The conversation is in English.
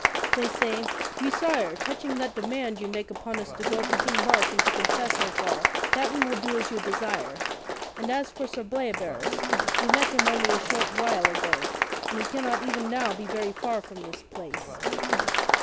They say: "Messire, touching that demand you make upon us to go to King Mark and to confess our fall, that we will do as you desire; and as for Sir Bleoberis, we met him only a short while ago, and he cannot even now be very far from this place."